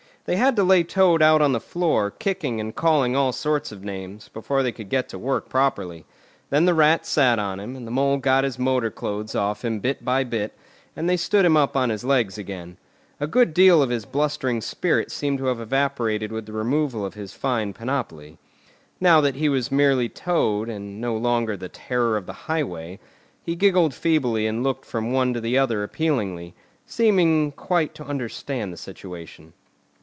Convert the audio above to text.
They had to lay Toad out on the floor, kicking and calling all sorts of names, before they could get to work properly. Then the Rat sat on him, and the Mole got his motor clothes off him bit by bit, and they stood him up on his legs again. A good deal of his blustering spirit seemed to have evaporated with the removal of his fine panoply. Now that he was merely Toad, and no longer the Terror of the Highway, he giggled feebly and looked from one to the other appealingly, seeming quite to understand the situation.